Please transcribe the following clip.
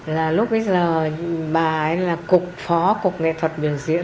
là lúc bây giờ bà ấy là cục phó cục nghệ thuật biểu diễn